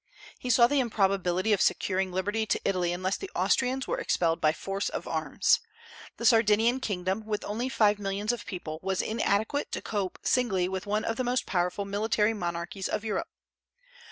He saw the improbability of securing liberty to Italy unless the Austrians were expelled by force of arms. The Sardinian kingdom, with only five millions of people, was inadequate to cope singly with one of the most powerful military monarchies of Europe.